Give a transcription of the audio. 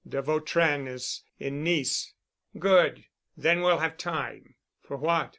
"De Vautrin is in Nice." "Good. Then we'll have time." "For what?"